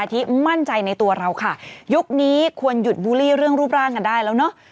ที่มั่นใจในตัวเราค่ะยุคนี้ควรหยุดบูลลี่เรื่องรูปร่างกันได้แล้วเนอะ